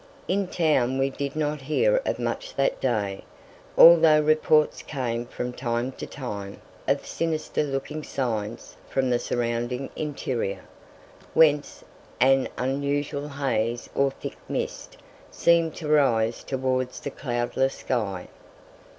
In town we did not hear of much that day, although reports came from time to time of sinister looking signs from the surrounding interior, whence an unusual haze or thick mist seemed to rise towards the cloudless sky.